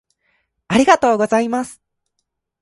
ありがとうございます